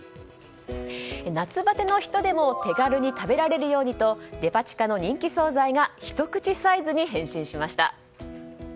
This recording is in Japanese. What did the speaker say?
夏バテの人でも手軽に食べられるようにとデパ地下の人気総菜がひと口サイズに変身しました。